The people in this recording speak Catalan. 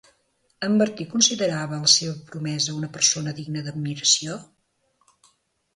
En Martí considerava la seva promesa una persona digna d'admiració?